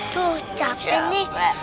tuh capek nih